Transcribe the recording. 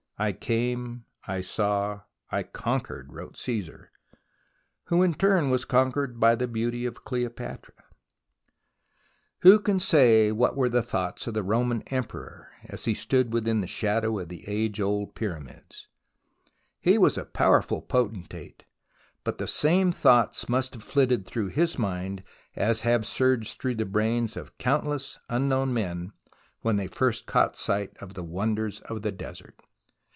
" I came, I saw, I con quered," wrote Caesar, who in turn was conquered by the beauty of Cleopatra Who can say what were the thoughts of the Roman emperor as he stood within the shadow of the age old Pyramids ? He was a powerful poten tate, but the same thoughts must have flitted through his mind as have surged through the brains of countless unknown men when they first caught sight of the Wonders of the Desert.